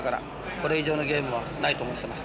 これ以上のゲームはないと思ってます。